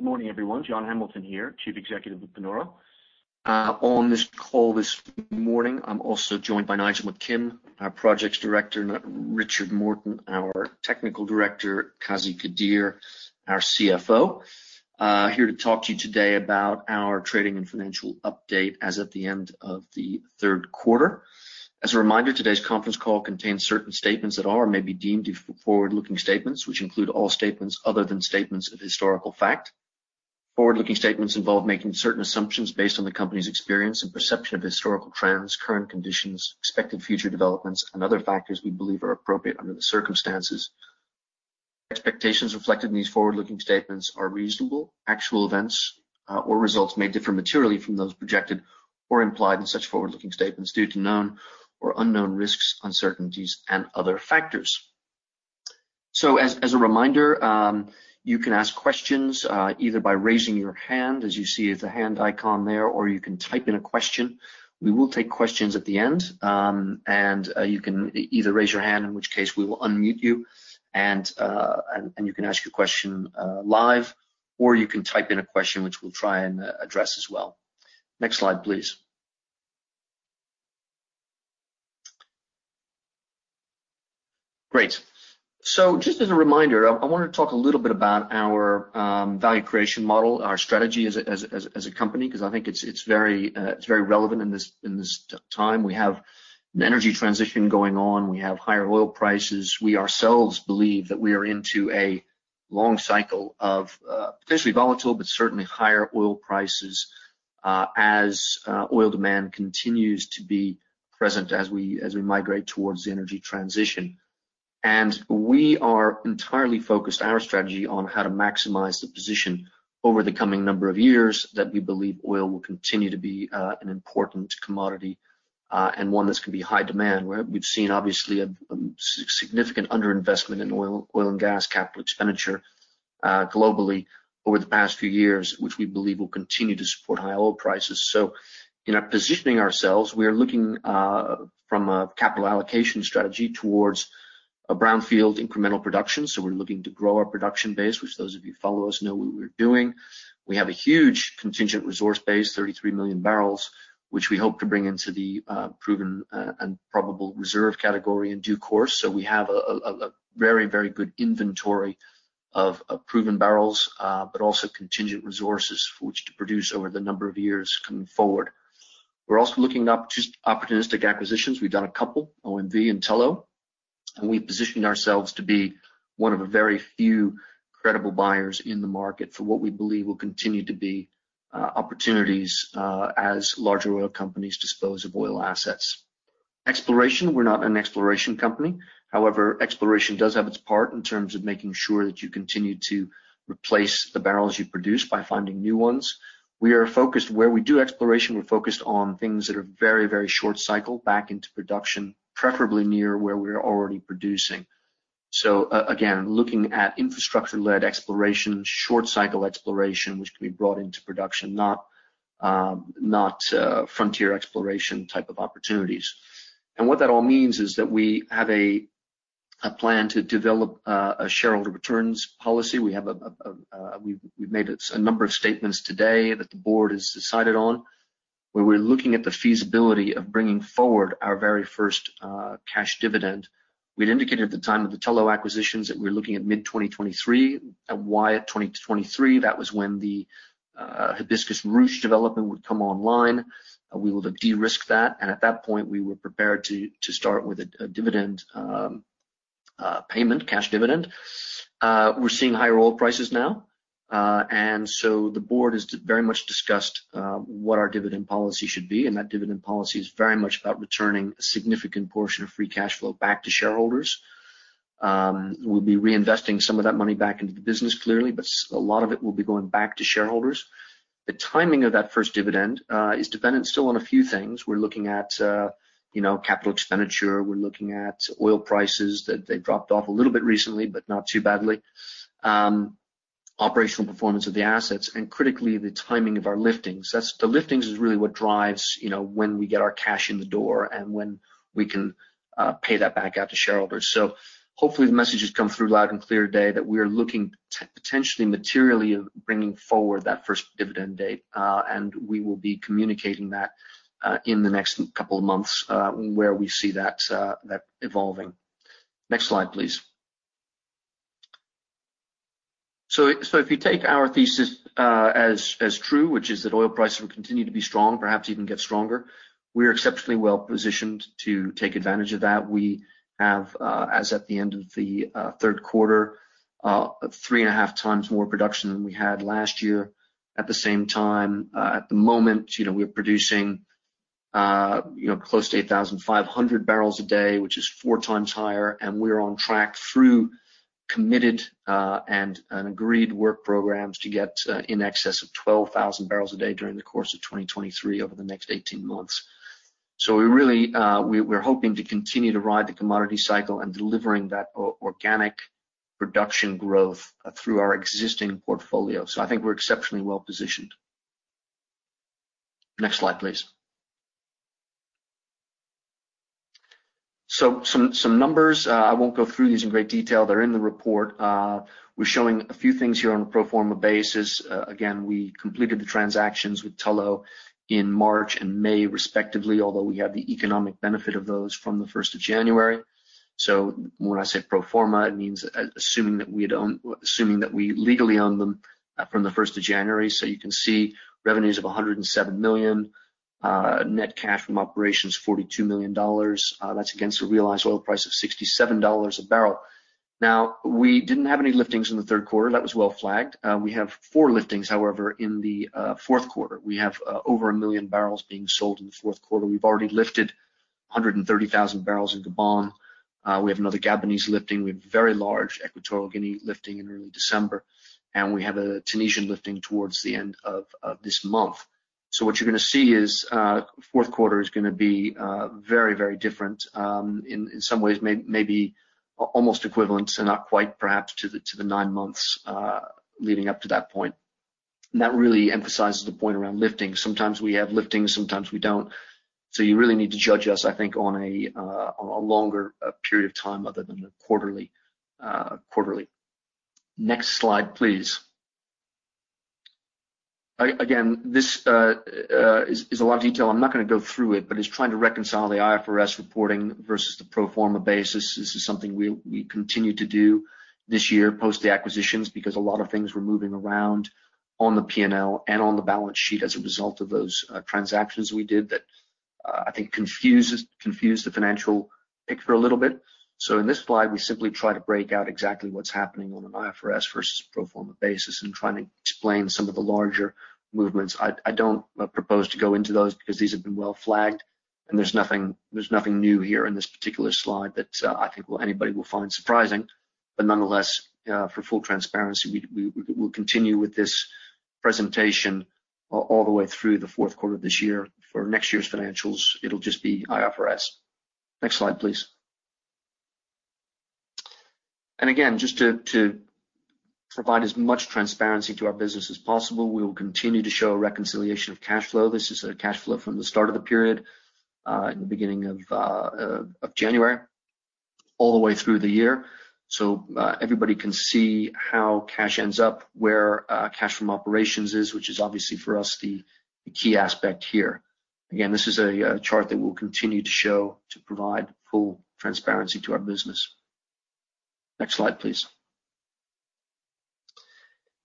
Morning, everyone. John Hamilton here, Chief Executive of Panoro. On this call this morning, I'm also joined by Nigel McKim, our Projects Director, and Richard Morton, our Technical Director, Qazi Qadeer, our CFO, here to talk to you today about our trading and financial update as at the end of the third quarter. As a reminder, today's conference call contains certain statements that are or may be deemed forward-looking statements, which include all statements other than statements of historical fact. Forward-looking statements involve making certain assumptions based on the company's experience and perception of historical trends, current conditions, expected future developments, and other factors we believe are appropriate under the circumstances. Expectations reflected in these forward-looking statements are reasonable. Actual events, or results may differ materially from those projected or implied in such forward-looking statements due to known or unknown risks, uncertainties, and other factors. As a reminder, you can ask questions either by raising your hand, as you see the hand icon there, or you can type in a question. We will take questions at the end, and you can either raise your hand, in which case we will unmute you, and you can ask your question live, or you can type in a question, which we'll try and address as well. Next slide, please. Great. Just as a reminder, I want to talk a little bit about our value creation model, our strategy as a company, because I think it's very relevant in this time. We have an energy transition going on. We have higher oil prices. We ourselves believe that we are into a long cycle of potentially volatile, but certainly higher oil prices, as oil demand continues to be present as we migrate towards the energy transition. We are entirely focused our strategy on how to maximize the position over the coming number of years that we believe oil will continue to be an important commodity and one that's going to be high demand. We've seen obviously a significant underinvestment in oil and gas capital expenditure globally over the past few years, which we believe will continue to support high oil prices. In positioning ourselves, we are looking from a capital allocation strategy towards a brownfield incremental production. We're looking to grow our production base, which those of you follow us know what we're doing. We have a huge contingent resource base, 33 million bbl, which we hope to bring into the proven and probable reserve category in due course. We have a very good inventory of proven bbl, but also contingent resources for which to produce over the number of years coming forward. We're also looking at just opportunistic acquisitions. We've done a couple, OMV and Tullow, and we positioned ourselves to be one of a very few credible buyers in the market for what we believe will continue to be opportunities as larger oil companies dispose of oil assets. Exploration, we're not an exploration company. However, exploration does have its part in terms of making sure that you continue to replace the bbl you produce by finding new ones. We are focused... Where we do exploration, we're focused on things that are very, very short cycle back into production, preferably near where we're already producing. Again, looking at infrastructure-led exploration, short cycle exploration, which can be brought into production, not frontier exploration type of opportunities. What that all means is that we've made a number of statements today that the board has decided on, where we're looking at the feasibility of bringing forward our very first cash dividend. We'd indicated at the time of the Tullow acquisitions that we're looking at mid-2023. Why at 2023? That was when the Hibiscus Ruche development would come online. We would de-risk that. At that point, we were prepared to start with a dividend payment, cash dividend. We're seeing higher oil prices now, and the board has very much discussed what our dividend policy should be, and that dividend policy is very much about returning a significant portion of free cash flow back to shareholders. We'll be reinvesting some of that money back into the business, clearly, but a lot of it will be going back to shareholders. The timing of that first dividend is dependent still on a few things. We're looking at capital expenditure. We're looking at oil prices that they dropped off a little bit recently, but not too badly. Operational performance of the assets and critically the timing of our liftings. The liftings is really what drives, you know, when we get our cash in the door and when we can pay that back out to shareholders. Hopefully the message has come through loud and clear today that we are looking potentially materially bringing forward that first dividend date, and we will be communicating that in the next couple of months where we see that evolving. Next slide, please. If you take our thesis as true, which is that oil prices will continue to be strong, perhaps even get stronger, we are exceptionally well-positioned to take advantage of that. We have as at the end of the third quarter 3.5 times more production than we had last year. At the same time, at the moment, you know, we're producing, you know, close to 8,500 bbl a day, which is four times higher, and we're on track through committed and an agreed work programs to get in excess of 12,000 bbl a day during the course of 2023 over the next 18 months. We really, we're hoping to continue to ride the commodity cycle and delivering that organic production growth through our existing portfolio. I think we're exceptionally well-positioned. Next slide, please. Some numbers, I won't go through these in great detail. They're in the report. We're showing a few things here on a pro forma basis. Again, we completed the transactions with Tullow in March and May respectively, although we have the economic benefit of those from the first of January. When I say pro forma, it means assuming that we legally own them from the first of January. You can see revenues of $107 million, net cash from operations $42 million. That's against a realized oil price of $67 a barrel. Now, we didn't have any liftings in the third quarter. That was well flagged. We have four liftings, however, in the fourth quarter. We have over 1 million bbl being sold in the fourth quarter. We've already lifted 130,000 bbl in Gabon. We have another Gabonese lifting. We have a very large Equatorial Guinea lifting in early December, and we have a Tunisian lifting towards the end of this month. What you're gonna see is, fourth quarter is gonna be, very different, in some ways, almost equivalent to, not quite perhaps, to the nine months leading up to that point. That really emphasizes the point around lifting. Sometimes we have lifting, sometimes we don't. You really need to judge us, I think, on a longer period of time other than a quarterly. Next slide, please. This is a lot of detail. I'm not gonna go through it, but it's trying to reconcile the IFRS reporting versus the pro forma basis. This is something we continue to do this year post the acquisitions because a lot of things were moving around on the P&L and on the balance sheet as a result of those transactions we did that I think confused the financial picture a little bit. In this slide, we simply try to break out exactly what's happening on an IFRS versus pro forma basis and trying to explain some of the larger movements. I don't propose to go into those because these have been well flagged, and there's nothing new here in this particular slide that I think anybody will find surprising. Nonetheless, for full transparency, we'll continue with this presentation all the way through the fourth quarter of this year. For next year's financials, it'll just be IFRS. Next slide, please. Again, just to provide as much transparency to our business as possible, we will continue to show a reconciliation of cash flow. This is a cash flow from the start of the period in the beginning of January, all the way through the year. Everybody can see how cash ends up, where cash from operations is, which is obviously for us, the key aspect here. Again, this is a chart that we'll continue to show to provide full transparency to our business. Next slide, please.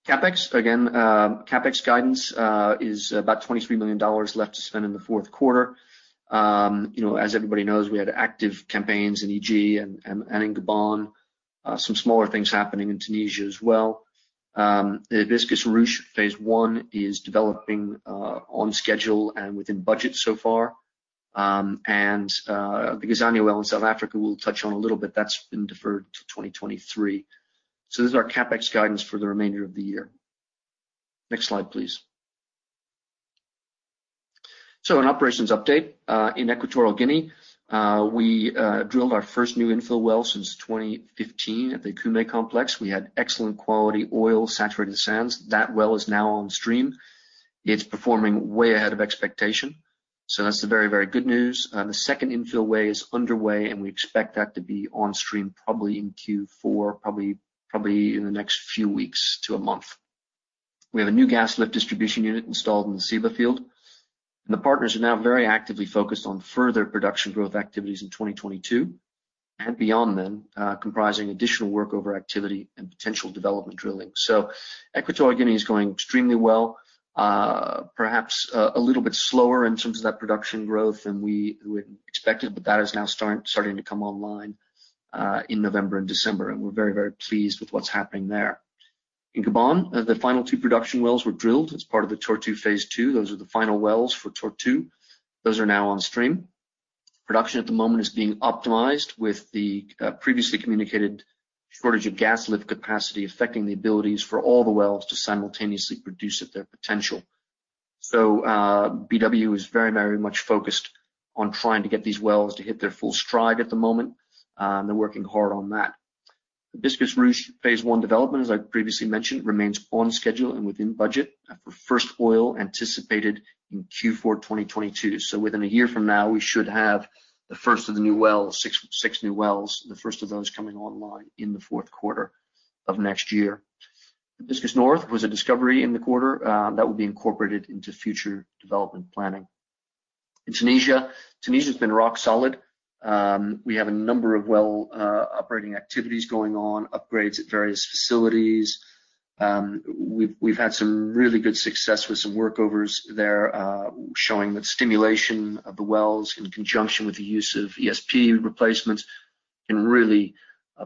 CapEx. Again, CapEx guidance is about $23 million left to spend in the fourth quarter. You know, as everybody knows, we had active campaigns in EG and in Gabon. Some smaller things happening in Tunisia as well. The Hibiscus Ruche Phase I is developing on schedule and within budget so far. The Gazania well in South Africa, we'll touch on a little bit. That's been deferred to 2023. This is our CapEx guidance for the remainder of the year. Next slide, please. An operations update in Equatorial Guinea. We drilled our first new infill well since 2015 at the Okume Complex. We had excellent quality oil saturated sands. That well is now on stream. It's performing way ahead of expectation. That's the very good news. The second infill well is underway, and we expect that to be on stream probably in Q4, probably in the next few weeks to a month. We have a new gas lift distribution unit installed in the Ceiba Field. The partners are now very actively focused on further production growth activities in 2022 and beyond, comprising additional workover activity and potential development drilling. Equatorial Guinea is going extremely well, perhaps a little bit slower in terms of that production growth than we had expected, but that is now starting to come online in November and December. We're very, very pleased with what's happening there. In Gabon, the final two production wells were drilled as part of the Tortue Phase II. Those are the final wells for Tortue. Those are now on stream. Production at the moment is being optimized with the previously communicated shortage of gas lift capacity affecting the abilities for all the wells to simultaneously produce at their potential. BW is very, very much focused on trying to get these wells to hit their full stride at the moment, and they're working hard on that. The Hibiscus Ruche Phase I development, as I previously mentioned, remains on schedule and within budget for first oil anticipated in Q4 2022. Within a year from now, we should have the first of the new wells, six new wells, the first of those coming online in the fourth quarter of next year. Hibiscus North was a discovery in the quarter that will be incorporated into future development planning. In Tunisia has been rock solid. We have a number of well operating activities going on, upgrades at various facilities. We've had some really good success with some workovers there, showing that stimulation of the wells in conjunction with the use of ESP replacements can really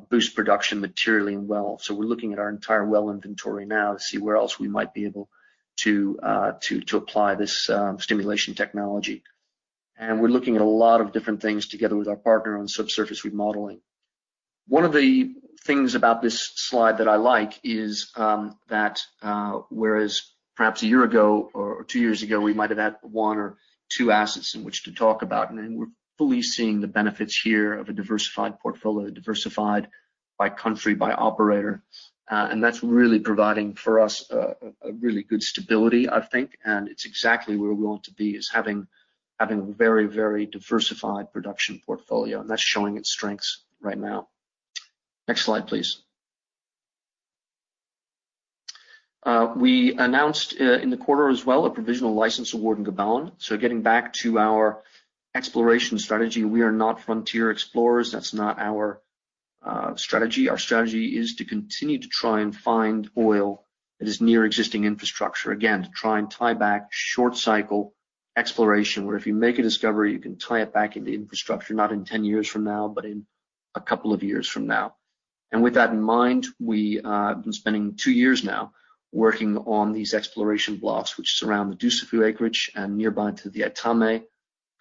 boost production materially in well. We're looking at our entire well inventory now to see where else we might be able to apply this stimulation technology. We're looking at a lot of different things together with our partner on subsurface remodeling. One of the things about this slide that I like is that whereas perhaps a year ago or two years ago, we might have had one or two assets in which to talk about, and then we're fully seeing the benefits here of a diversified portfolio, a diversified by country, by operator. That's really providing for us a really good stability, I think, and it's exactly where we want to be, is having a very diversified production portfolio, and that's showing its strengths right now. Next slide, please. We announced in the quarter as well a provisional license award in Gabon. Getting back to our exploration strategy, we are not frontier explorers. That's not our strategy. Our strategy is to continue to try and find oil that is near existing infrastructure. Again, to try and tie back short cycle exploration, where if you make a discovery, you can tie it back into infrastructure, not in 10 years from now, but in a couple of years from now. With that in mind, we have been spending two years now working on these exploration blocks, which surround the Dussafu acreage and nearby to the Etame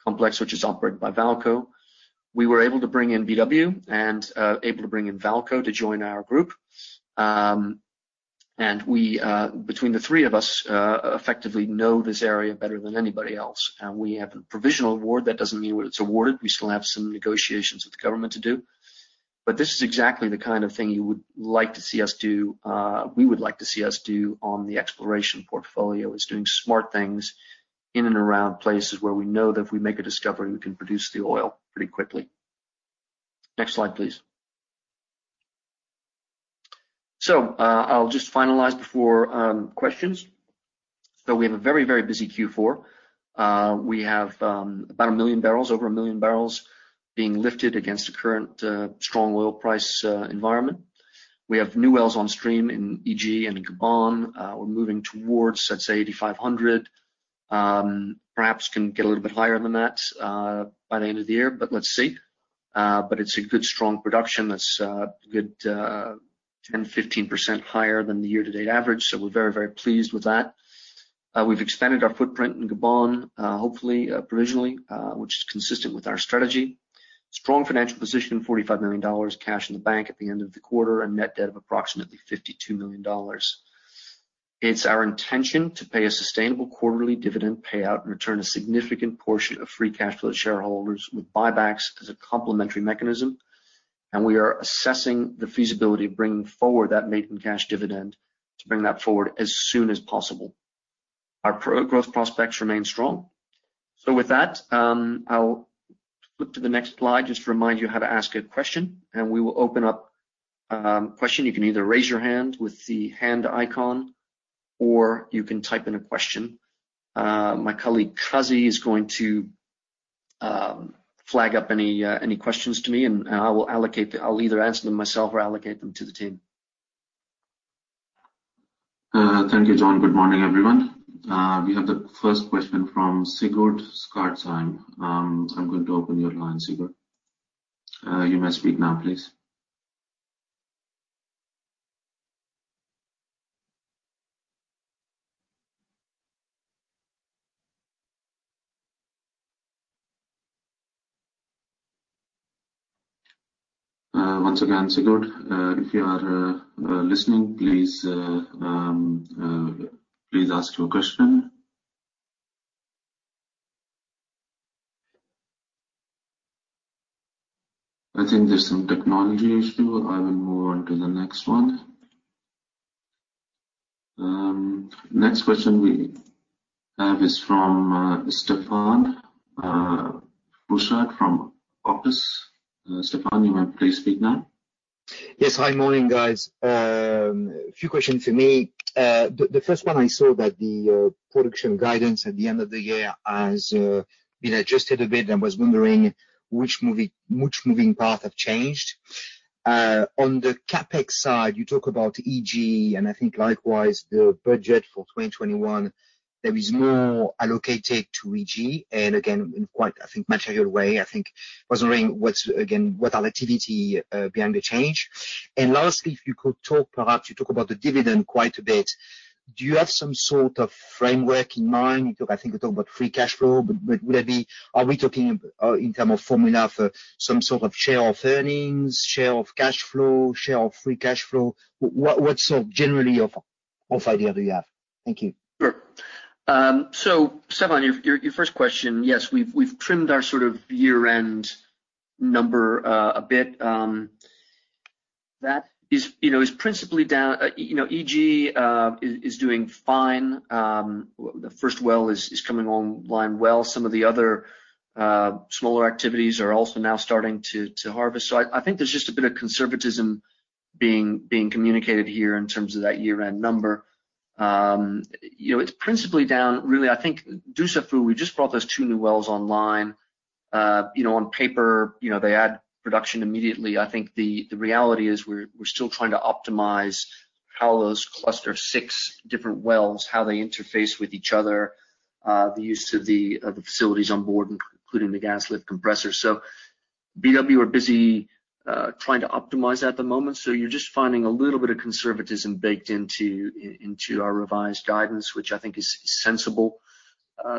complex, which is operated by Vaalco. We were able to bring in BW and able to bring in Vaalco to join our group. We, between the three of us, effectively know this area better than anybody else. We have a provisional award. That doesn't mean it's awarded. We still have some negotiations with the government to do. This is exactly the kind of thing you would like to see us do, we would like to see us do on the exploration portfolio, is doing smart things in and around places where we know that if we make a discovery, we can produce the oil pretty quickly. Next slide, please. I'll just finalize before questions. We have a very busy Q4. We have about 1 million bbl, over 1 million bbl being lifted against the current strong oil price environment. We have new wells on stream in EG and in Gabon. We're moving towards, let's say, 8,500 bbl. Perhaps can get a little bit higher than that by the end of the year, but let's see. It's a good, strong production. That's a good 10%, 15% higher than the year to date average. We're very pleased with that. We've expanded our footprint in Gabon, hopefully provisionally, which is consistent with our strategy. Strong financial position, $45 million cash in the bank at the end of the quarter and net debt of approximately $52 million. It's our intention to pay a sustainable quarterly dividend payout and return a significant portion of free cash flow to shareholders with buybacks as a complementary mechanism. We are assessing the feasibility of bringing forward that maintenance cash dividend as soon as possible. Our pro-growth prospects remain strong. With that, I'll flip to the next slide, just to remind you how to ask a question, and we will open up question. You can either raise your hand with the hand icon, or you can type in a question. My colleague, Qazi, is going to flag up any questions to me, and I will allocate. I'll either answer them myself or allocate them to the team. Thank you, John. Good morning, everyone. We have the first question from Sigurd Skardsheim. I'm going to open your line, Sigurd. You may speak now, please. Once again, Sigurd, if you are listening, please ask your question. I think there's some technical issue. I will move on to the next one. Next question we have is from Stephane Foucaud from Auctus. Stephane, you may please speak now. Yes. Hi. Morning, guys. A few questions for me. The first one I saw that the production guidance at the end of the year has been adjusted a bit. I was wondering which moving parts have changed. On the CapEx side, you talk about EG, and I think likewise, the budget for 2021, there is more allocated to EG. And again, in quite material way, I think I was wondering what are the activities behind the change. And lastly, if you could talk about the dividend quite a bit. Do you have some sort of framework in mind? I think you talk about free cash flow, but would that be. Are we talking in terms of formula for some sort of share of earnings, share of cash flow, share of free cash flow? What's the general idea do you have? Thank you. Sure. Stephane, your first question, yes, we've trimmed our sort of year-end number a bit. That is, you know, principally down to EG doing fine. The first well is coming online well. Some of the other smaller activities are also now starting to harvest. I think there's just a bit of conservatism being communicated here in terms of that year-end number. You know, it's principally down to, really, I think Dussafu. We just brought those two new wells online. You know, on paper, you know, they add production immediately. I think the reality is we're still trying to optimize how that cluster of six different wells interface with each other, the use of the facilities on board, including the gas lift compressor. BW are busy trying to optimize that at the moment. You're just finding a little bit of conservatism baked into our revised guidance, which I think is sensible.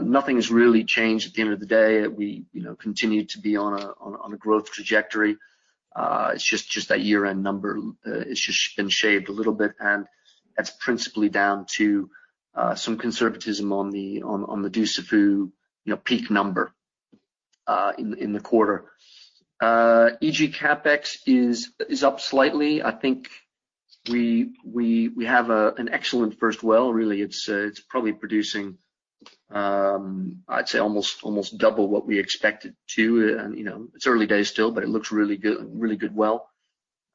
Nothing has really changed at the end of the day. We, you know, continue to be on a growth trajectory. It's just that year-end number, it's just been shaved a little bit, and that's principally down to some conservatism on the Dussafu, you know, peak number in the quarter. EG CapEx is up slightly. I think we have an excellent first well. Really, it's probably producing, I'd say almost double what we expected to. You know, it's early days still, but it looks really good well.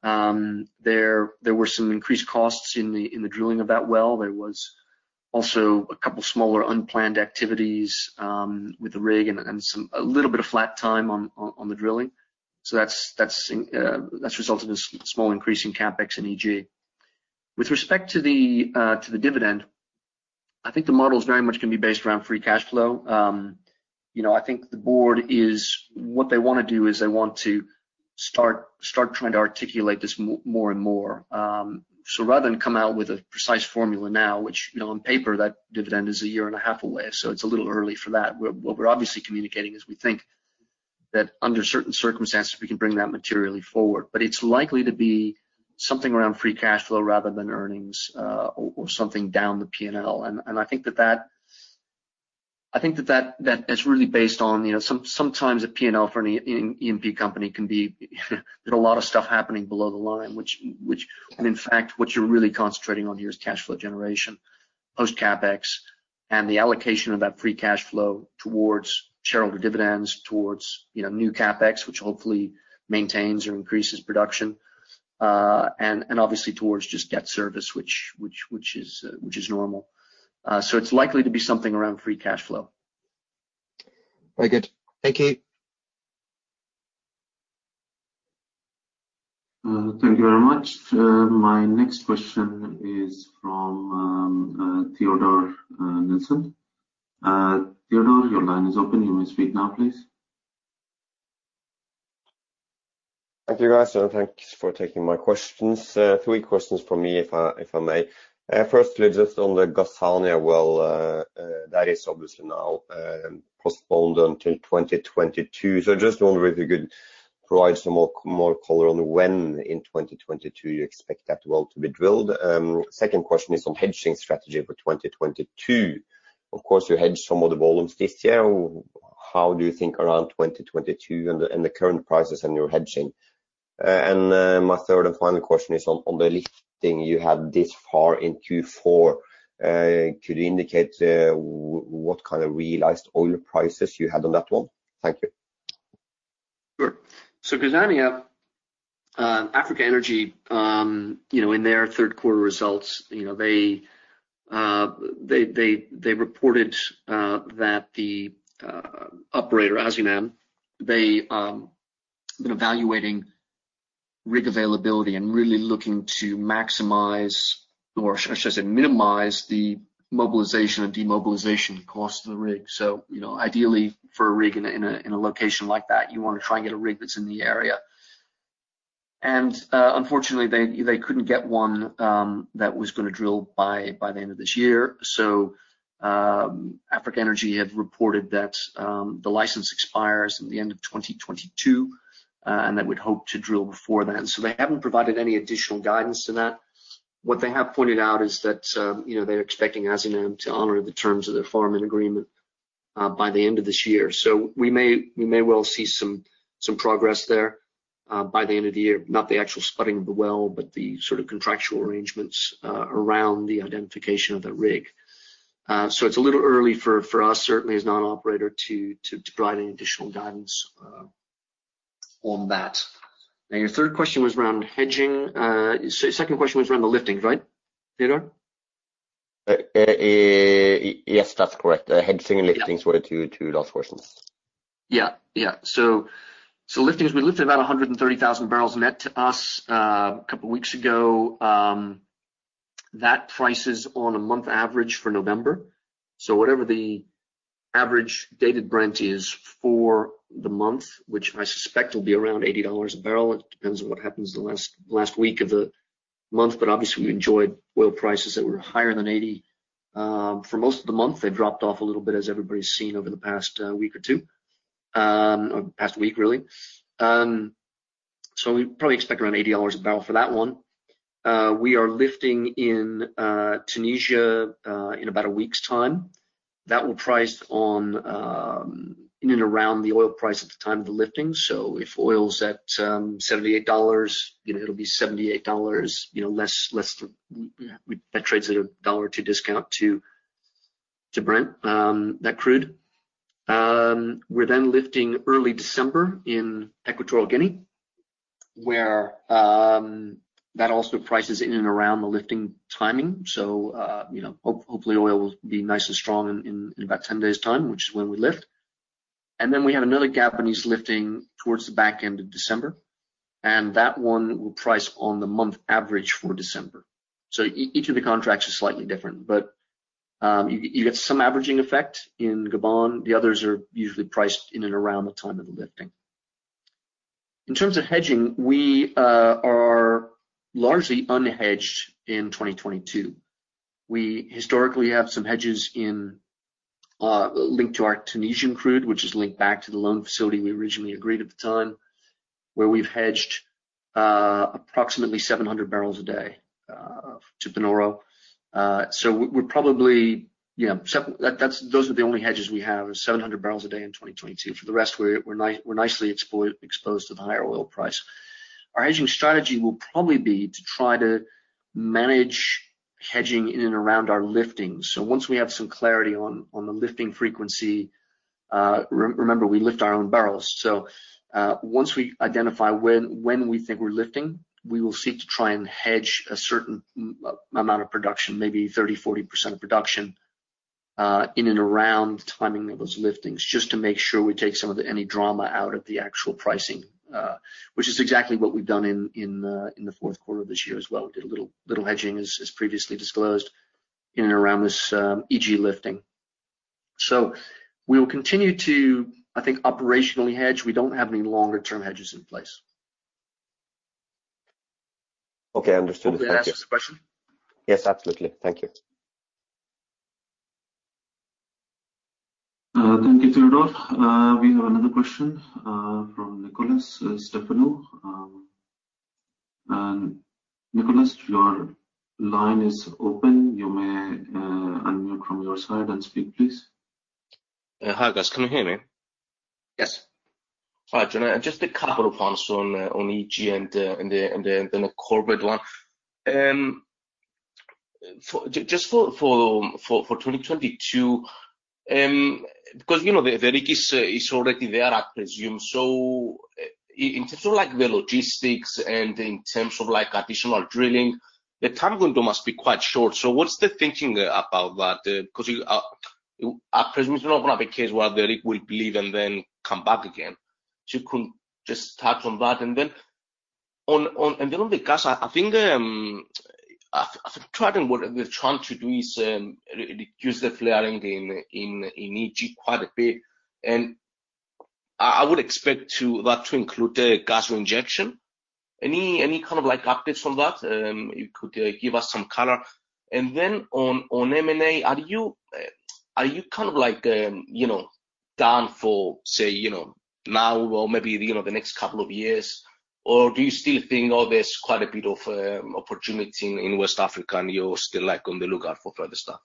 There were some increased costs in the drilling of that well. There was also a couple smaller unplanned activities with the rig and some a little bit of flat time on the drilling. That's resulted in small increase in CapEx in EG. With respect to the dividend, I think the model is very much gonna be based around free cash flow. You know, I think the board is what they wanna do is they want to start trying to articulate this more and more. Rather than come out with a precise formula now, which, you know, on paper that dividend is a year and a half away, so it's a little early for that. What we're obviously communicating is we think that under certain circumstances, we can bring that materially forward. It's likely to be something around free cash flow rather than earnings, or something down the P&L. I think that is really based on, you know, sometimes a P&L for an E&P company can be, you know, there's a lot of stuff happening below the line, which. When in fact, what you're really concentrating on here is cash flow generation, post CapEx, and the allocation of that free cash flow towards shareholder dividends, towards, you know, new CapEx, which hopefully maintains or increases production, and obviously towards just debt service, which is normal. It's likely to be something around free cash flow. Very good. Thank you. Thank you very much. My next question is from Teodor Nilsen. Teodor, your line is open. You may speak now, please. Thank you, guys, and thanks for taking my questions. Three questions from me if I may. Firstly, just on the Gazania well, that is obviously now postponed until 2022. So just wondering if you could provide some more color on when in 2022 you expect that well to be drilled. Second question is on hedging strategy for 2022. Of course, you hedged some of the volumes this year. How do you think around 2022 and the current prices and your hedging? My third and final question is on the lifting you had this far in Q4, could you indicate what kind of realized oil prices you had on that one? Thank you. Sure. Gazania, Africa Energy, you know, in their third quarter results, you know, they reported that the operator, Azinam, they have been evaluating rig availability and really looking to maximize, or I should say, minimize the mobilization and demobilization cost of the rig. You know, ideally for a rig in a location like that, you wanna try and get a rig that's in the area. Unfortunately, they couldn't get one that was gonna drill by the end of this year. Africa Energy have reported that the license expires at the end of 2022 and they would hope to drill before then. They haven't provided any additional guidance to that. What they have pointed out is that, you know, they're expecting Azinam to honor the terms of their farm-in agreement by the end of this year. We may well see some progress there by the end of the year, not the actual spudding of the well, but the sort of contractual arrangements around the identification of the rig. It's a little early for us, certainly as non-operator to provide any additional guidance on that. Now, your third question was around hedging. Second question was around the lifting, right, Theodore? Yes, that's correct. The hedging and liftings were the two last questions. Yeah. Liftings, we lifted about 130,000 bbl net to us a couple weeks ago. That price is on a month average for November. Whatever the average Dated Brent is for the month, which I suspect will be around $80 a barrel. It depends on what happens the last week of the month. Obviously, we enjoyed oil prices that were higher than $80 for most of the month. They dropped off a little bit, as everybody's seen over the past week or two, or past week, really. We probably expect around $80 a barrel for that one. We are lifting in Tunisia in about a week's time. That will price on in and around the oil price at the time of the lifting. If oil is at $78, you know, it'll be $78, you know, less than that trades at a $1.02 discount to Brent crude. We're then lifting early December in Equatorial Guinea, where that also prices in and around the lifting timing. You know, hopefully, oil will be nice and strong in about 10 days time, which is when we lift. Then we have another Gabonese lifting towards the back end of December, and that one will price on the month average for December. Each of the contracts are slightly different, but you get some averaging effect in Gabon. The others are usually priced in and around the time of the lifting. In terms of hedging, we are largely unhedged in 2022. We historically have some hedges in linked to our Tunisian crude, which is linked back to the loan facility we originally agreed at the time. Where we've hedged approximately 700 bbl a day to Panoro. Those are the only hedges we have, is 700 bbl a day in 2022. For the rest, we're nicely exposed to the higher oil price. Our hedging strategy will probably be to try to manage hedging in and around our lifting. Once we have some clarity on the lifting frequency. Remember, we lift our own barrels. Once we identify when we think we're lifting, we will seek to try and hedge a certain amount of production, maybe 30%, 40% of production, in and around the timing of those liftings, just to make sure we take some of the drama out of the actual pricing, which is exactly what we've done in the fourth quarter of this year as well. We did a little hedging, as previously disclosed, in and around this EG lifting. We will continue to, I think, operationally hedge. We don't have any longer-term hedges in place. Okay. Understood. Thank you. Hope that answers the question. Yes, absolutely. Thank you. Thank you, Teodor. We have another question from Nikolas Stefanou. Nicholas, your line is open. You may unmute from your side and speak, please. Hi guys, can you hear me? Yes. All right. John, just a couple of points on EG and then a corporate one. Just for 2022, because, you know, the rig is already there, I presume. In terms of, like, the logistics and in terms of, like, additional drilling, the time window must be quite short. What's the thinking about that? Because you are, I presume it's not gonna be a case where the rig will leave and then come back again. If you could just touch on that. Then on the gas, I think Trident, what they're trying to do is reduce the flaring in EG quite a bit, and I would expect that to include a gas reinjection. Any kind of like updates on that you could give us some color? Then on M&A, are you kind of like you know down for say you know now or maybe you know the next couple of years, or do you still think oh there's quite a bit of opportunity in West Africa and you're still like on the lookout for further stuff?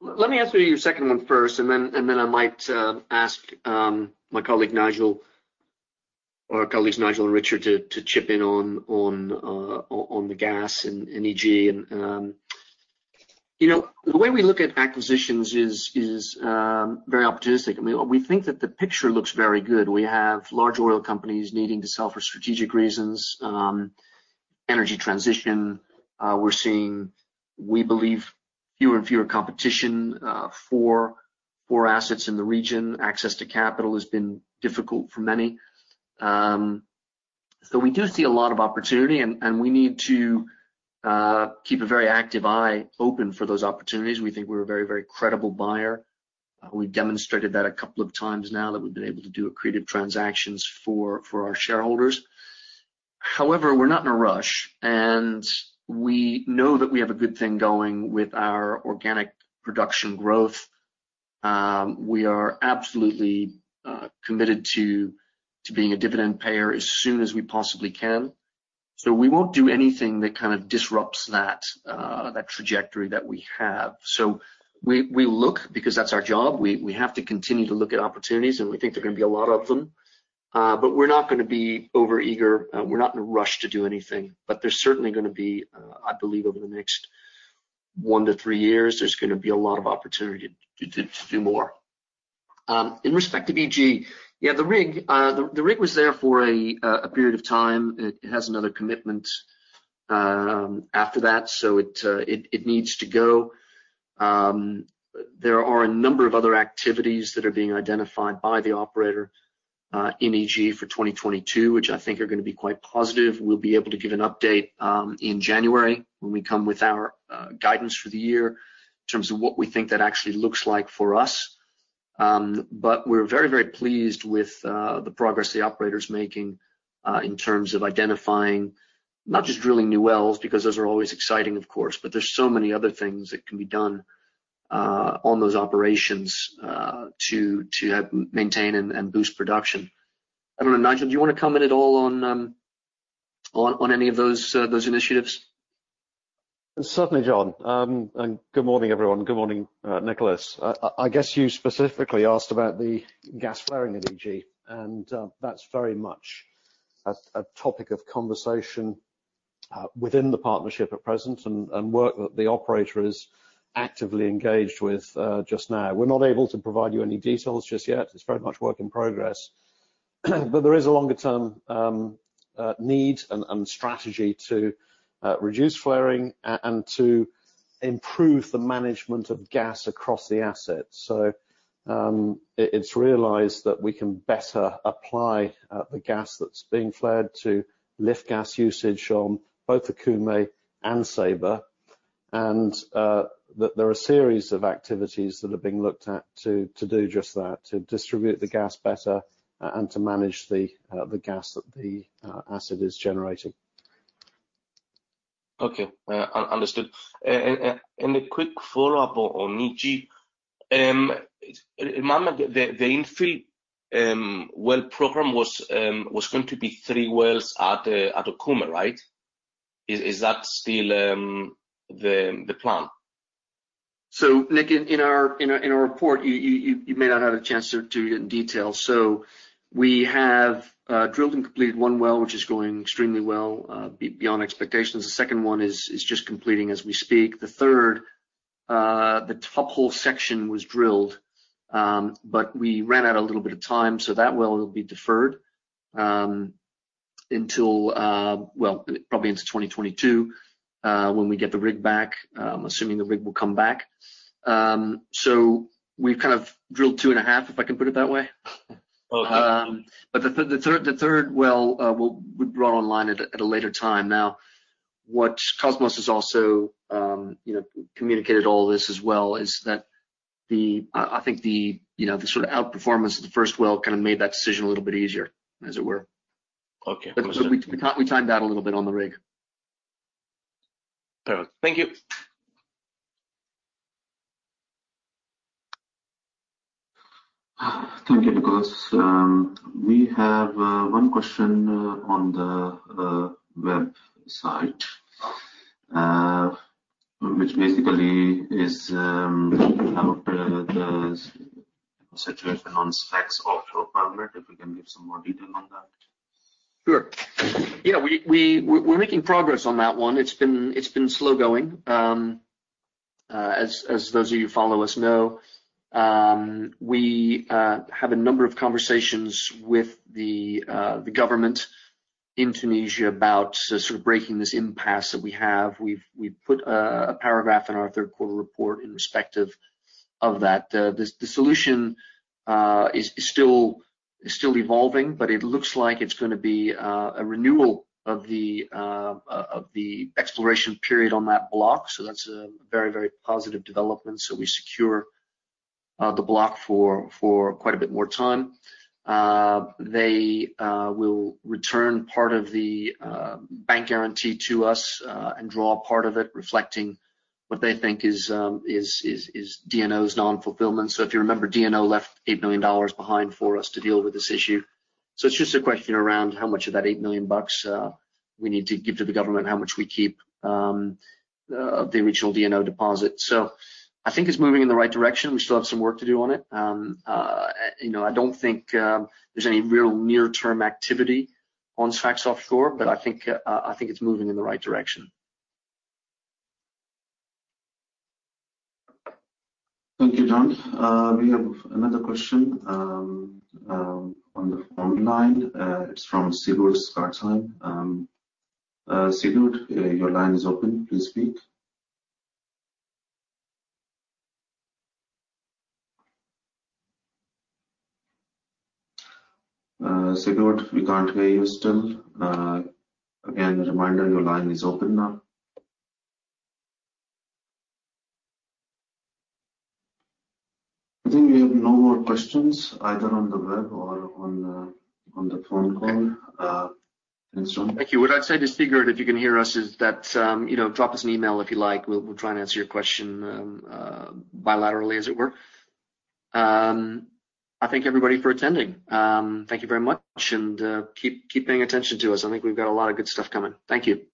Let me answer your second one first, and then I might ask my colleague Nigel or our colleagues Nigel and Richard to chip in on the gas in EG. You know, the way we look at acquisitions is very opportunistic. I mean, we think that the picture looks very good. We have large oil companies needing to sell for strategic reasons, energy transition. We're seeing, we believe, fewer and fewer competitors for more assets in the region. Access to capital has been difficult for many. So we do see a lot of opportunity and we need to keep a very active eye open for those opportunities. We think we're a very, very credible buyer. We've demonstrated that a couple of times now that we've been able to do accretive transactions for our shareholders. However, we're not in a rush, and we know that we have a good thing going with our organic production growth. We are absolutely committed to being a dividend payer as soon as we possibly can. We won't do anything that kind of disrupts that trajectory that we have. We look because that's our job. We have to continue to look at opportunities, and we think there are gonna be a lot of them. We're not gonna be overeager. We're not in a rush to do anything. There's certainly gonna be. I believe over the next one to three years, there's gonna be a lot of opportunity to do more. In respect to EG, yeah, the rig was there for a period of time. It has another commitment after that, so it needs to go. There are a number of other activities that are being identified by the operator in EG for 2022, which I think are gonna be quite positive. We'll be able to give an update in January when we come with our guidance for the year in terms of what we think that actually looks like for us. We're very, very pleased with the progress the operator's making in terms of identifying not just drilling new wells, because those are always exciting of course, but there's so many other things that can be done on those operations to help maintain and boost production. I don't know. Nigel, do you want to come in at all on any of those initiatives? Certainly, John. Good morning, everyone. Good morning, Nikolas. I guess you specifically asked about the gas flaring at EG, and that's very much a topic of conversation within the partnership at present and work that the operator is actively engaged with just now. We're not able to provide you any details just yet. It's very much work in progress. There is a longer term need and strategy to reduce flaring and to improve the management of gas across the asset. It's realized that we can better apply the gas that's being flared to gas lift usage on both Okume and Ceiba and that there are a series of activities that are being looked at to do just that, to distribute the gas better and to manage the gas that the asset is generating. Okay. Understood. A quick follow-up on Nige. Remember the infill well program was going to be three wells at Okume, right? Is that still the plan? Nick, in our report, you may not have a chance to get in detail. We have drilled and completed one well, which is going extremely well, beyond expectations. The second one is just completing as we speak. The third, the top hole section was drilled, but we ran out a little bit of time, so that well will be deferred until well, probably into 2022, when we get the rig back, assuming the rig will come back. We've kind of drilled 2.5, if I can put it that way. Okay. The third well will be brought online at a later time. Now, what Kosmos has also, you know, communicated all this as well, is that I think you know, the sort of outperformance of the first well kind of made that decision a little bit easier, as it were. Okay. We kind of timed out a little bit on the rig. All right. Thank you. Thank you, Nikolas. We have one question on the website, which basically is about the situation on Sfax offshore permit, if you can give some more detail on that. Sure. Yeah, we're making progress on that one. It's been slow going. As those of you who follow us know, we have a number of conversations with the government in Tunisia about sort of breaking this impasse that we have. We've put a paragraph in our third quarter report in respect of that. The solution is still evolving, but it looks like it's gonna be a renewal of the exploration period on that block. That's a very positive development. We secure the block for quite a bit more time. They will return part of the bank guarantee to us, and draw a part of it reflecting what they think is DNO's non-fulfillment. If you remember, DNO left $8 million behind for us to deal with this issue. It's just a question around how much of that $8 million bucks we need to give to the government, how much we keep of the original DNO deposit. I think it's moving in the right direction. We still have some work to do on it. You know, I don't think there's any real near-term activity on Sfax offshore, but I think it's moving in the right direction. Thank you, John. We have another question on the phone line. It's from Sigurd Skardsheim. Sigurd, your line is open. Please speak. Sigurd, we can't hear you still. Again, a reminder, your line is open now. I think we have no more questions either on the web or on the phone call. Thanks, John. Thank you. What I'd say to Sigurd, if you can hear us, is that, you know, drop us an email if you like. We'll try and answer your question, bilaterally as it were. I thank everybody for attending. Thank you very much and, keep paying attention to us. I think we've got a lot of good stuff coming. Thank you.